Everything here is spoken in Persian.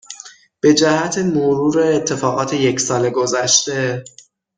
به جهت مرور اتفاقات یک سال گذشته